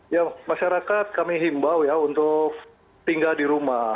ya masyarakat kami himbau ya untuk tinggal di rumah